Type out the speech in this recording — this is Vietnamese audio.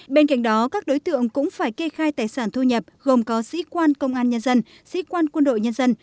bên cạnh đó các đối tượng cũng phải kê khai tài sản thu nhập gồm có sĩ quan công an nhân dân sĩ quan quân đội nhân dân